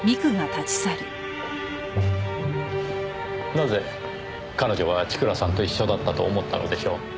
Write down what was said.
なぜ彼女は千倉さんと一緒だったと思ったのでしょう？